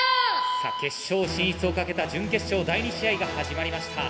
さあ決勝進出をかけた準決勝第２試合が始まりました。